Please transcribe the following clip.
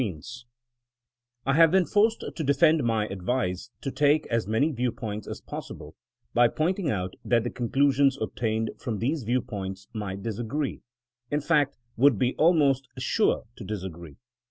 58 TBINKINO AS A 80IEN0E I have been forced to defend my advice to take as many viewpoints as possible, by point ing out that the conclusions obtained from these viewpoints might disagree ; in fact would be al most sure to disagree.